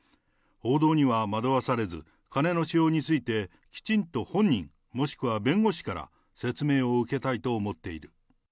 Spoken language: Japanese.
報道には惑わされず、金の使用について、きちんと本人、もしくは弁護士から、説明を受けたいと思っている。